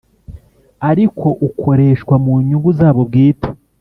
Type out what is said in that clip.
Ariko ukoreshwa munyungu zabo bwite